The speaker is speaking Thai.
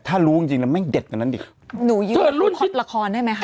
ถ้ารู้จริงจริงแล้วแม่งเด็ดกว่านั้นดิหนูเชิญรูปฮอตละครได้ไหมคะ